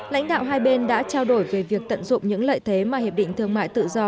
lãnh đạo hai bên đã trao đổi về việc tận dụng những lợi thế mà hiệp định thương mại tự do